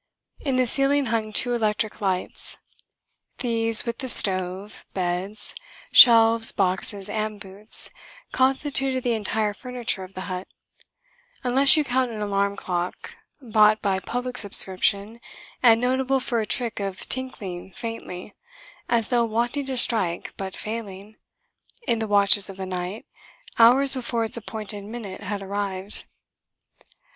In the ceiling hung two electric lights. These, with the stove, beds, shelves, boxes and boots, constituted the entire furniture of the hut unless you count an alarm clock, bought by public subscription, and notable for a trick of tinkling faintly, as though wanting to strike but failing, in the watches of the night, hours before its appointed minute had arrived.